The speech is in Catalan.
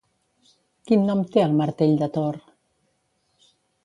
Quin nom té el martell de Thor?